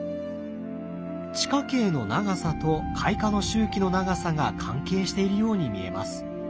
地下茎の長さと開花の周期の長さが関係しているように見えます。